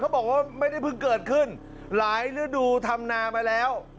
เขาบอกว่าไม่ได้เพิ่งเกิดขึ้นเยอะดูทำนามาแล้ว